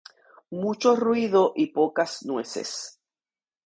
Mucho ruido y pocas nueces